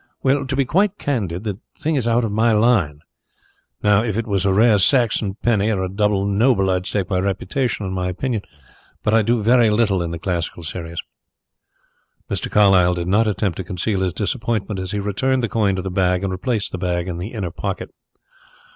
"Well, to be quite candid, the thing is out of my line. Now if it was a rare Saxon penny or a doubtful noble I'd stake my reputation on my opinion, but I do very little in the classical series." Mr. Carlyle did not attempt to conceal his disappointment as he returned the coin to the bag and replaced the bag in the inner pocket.